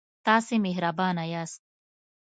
تاسې مهربانه یاست.